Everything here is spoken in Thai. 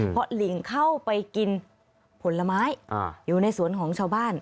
เพราะลิงเข้าไปกินผลไม้อยู่ในสวนของชาวบ้าน